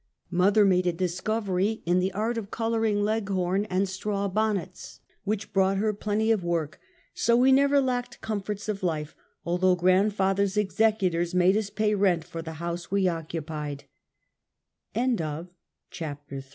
21 Mother made a discovery in the art of coloring leg horn and straw bonnets, which brought her plenty of work, so we never lacked comforts of life, although grandfather's executors made us pay rent for the house w